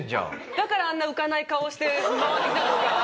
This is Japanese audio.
だからあんな浮かない顔をして回ってきたんですか？